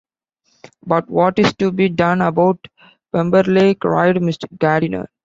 “But what is to be done about Pemberley?” cried Mrs. Gardiner.